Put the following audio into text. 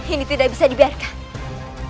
ini tidak bisa dibiarkan